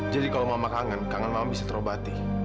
jadi kalau mama kangen kangen mama bisa terobati